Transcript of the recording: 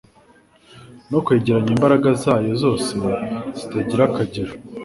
no kwegeranya imbaraga zayo zose zitagira akagero,